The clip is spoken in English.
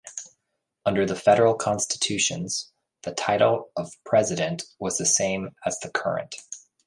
Under the federal constitutions, the title of President was the same as the current.